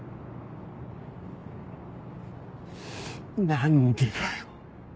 何でだよ。